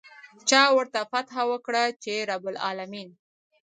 چا ورته فتحه ورکړه چې رب العلمين.